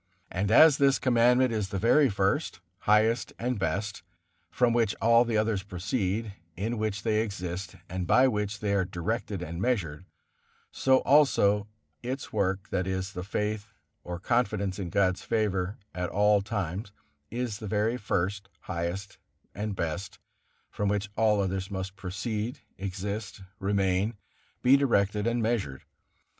And as this Commandment is the very first, highest and best, from which all the others proceed, in which they exist, and by which they are directed and measured, so also its work, that is, the faith or confidence in God's favor at all times, is the very first, highest and best, from which all others must proceed, exist, remain, be directed and measured.